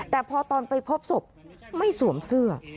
แต่พอตอนไปพบศพไม่สวมเสื้อ